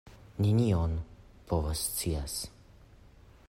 Nenion povoscias!